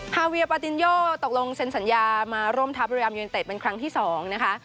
ฮาเวียปาตินโยตกลงเซ็นสัญญามาร่วมทัพริัมยูเนเต็ดเป็นครั้งที่๒นะคะ